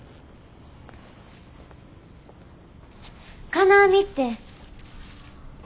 金網って。